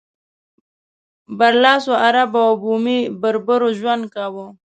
برلاسو عربو او بومي بربرو ژوند کاوه.